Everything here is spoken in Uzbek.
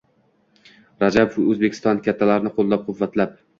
Rajabov O’zbekiston kattalarini qo‘llab-quvvatlab